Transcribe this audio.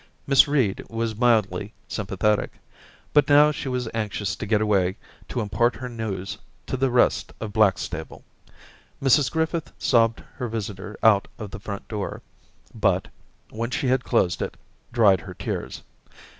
Miss Reed was mildly sympathetic ; but now she Daisy 231 was anxious to get away to impart her news to the rest of Blackstable. Mrs Griffith sobbed her visitor out of the front door, but, when she had closed it, dried her tears.